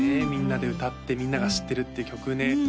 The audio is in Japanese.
みんなで歌ってみんなが知ってるって曲ね